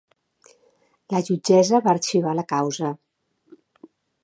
La jutgessa va arxivar la causa.